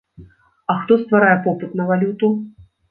А хто стварае попыт на валюту?